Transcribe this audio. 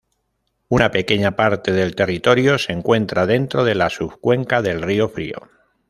Una pequeña parte del territorio se encuentra dentro de la subcuenca del río Frío.